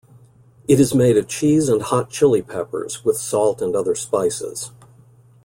It is made of cheese and hot chili peppers, with salt and other spices.